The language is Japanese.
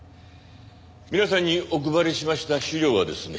皆さんにお配りしました資料はですね